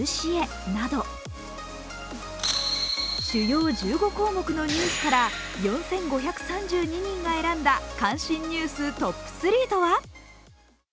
主要１５項目のニュースから４５３２人が選んだ関心ニューストップ３とは。